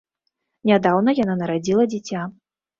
Нядаўна яна нарадзіла дзіця.